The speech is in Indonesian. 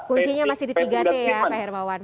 kunci nya masih di tiga t ya pak hermawan